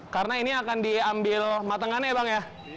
karena kerang ini akan diambil matangannya ya bang